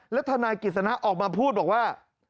แล้วทนายกิจสนะออกมาพูดบอกว่า